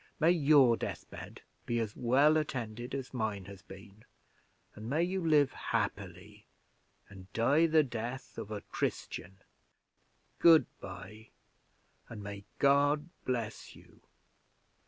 May your death bed be as well attended as mine has been, and may you live happily, and die the death of a Christian! Good by, and may God bless you.